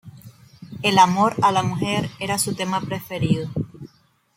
El amor a la mujer era su tema preferido.